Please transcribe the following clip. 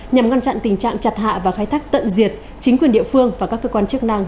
nhằm ngăn chặn tình trạng chặt hạ và khai thác tận diệt chính quyền địa phương và các cơ quan chức năng